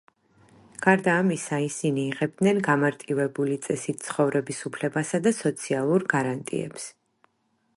გარდა ამისა, ისინი იღებდნენ გამარტივებული წესით ცხოვრების უფლებასა და სოციალურ გარანტიებს.